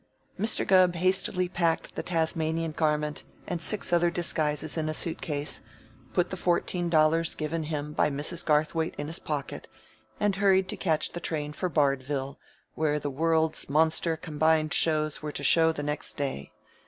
Mr. Gubb hastily packed the Tasmanian garment and six other disguises in a suitcase, put the fourteen dollars given him by Mrs. Garthwaite in his pocket, and hurried to catch the train for Bardville, where the World's Monster Combined Shows were to show the next day.